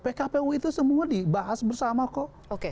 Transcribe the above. pkpu itu semua dibahas bersama kok